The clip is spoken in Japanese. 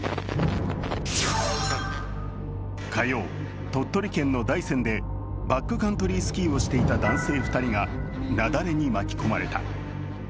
火曜、鳥取県の大山でバックカントリースキーをしていた男性２人が雪崩に巻き込まれた。